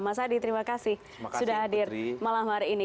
mas adi terima kasih sudah hadir malam hari ini